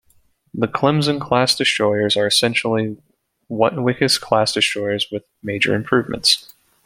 The Clemson-Class Destroyers are essentially Wickes-Class Destroyers with major improvements.